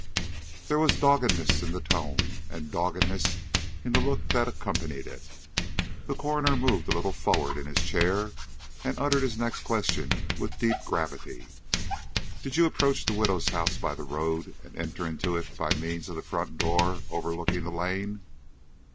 There was doggedness in the tone, and doggedness in the look that accompanied it. The coroner moved a little forward in his chair and uttered his next question with deep gravity. "Did you approach the widow's house by the road and enter into it by means of the front door overlooking the lane?"